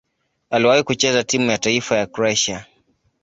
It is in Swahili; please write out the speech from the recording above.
Aliwahi kucheza timu ya taifa ya Kroatia.